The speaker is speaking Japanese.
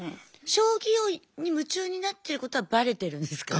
将棋に夢中になってることはバレてるんですか？